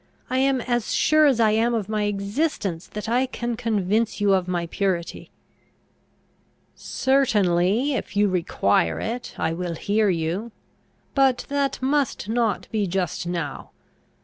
I am as sure as I am of my existence, that I can convince you of my purity." "Certainly, if you require it, I will hear you. But that must not be just now.